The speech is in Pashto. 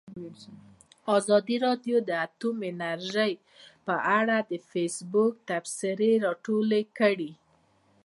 ازادي راډیو د اټومي انرژي په اړه د فیسبوک تبصرې راټولې کړي.